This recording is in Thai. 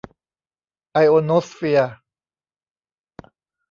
ไอโอโนสเฟียร์